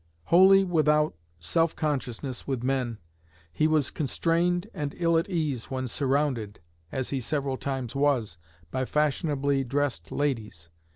Wholly without self consciousness with men, he was constrained and ill at ease when surrounded, as he several times was, by fashionably dressed ladies.